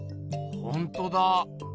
ほんとだ。